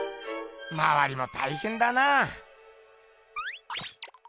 まわりもたいへんだな。